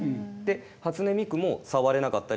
初音ミクも触れなかったり。